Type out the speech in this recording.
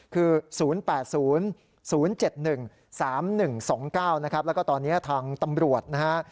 คือ๐๘๐๐๗๑๓๑๒๙นะครับแล้วก็ตอนนี้ทางตำรวจนะฮะ